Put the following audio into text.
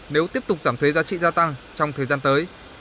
nếu tiếp tục giảm thuế giá trị gia tăng trong thời gian tới